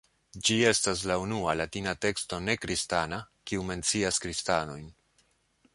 Ĝi estas la unua Latina teksto ne-kristana, kiu mencias kristanojn.